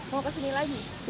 mau kesini lagi